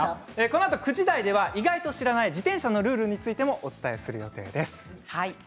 このあと９時台では意外と知らない自転車のルールについてお伝えします。